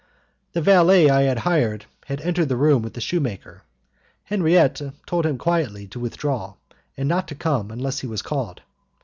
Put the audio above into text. The valet I had hired had entered the room with the shoemaker. Henriette told him quietly to withdraw, and not to come unless he was called.